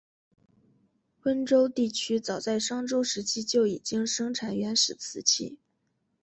温州地区早在商周时期就已经生产原始瓷器。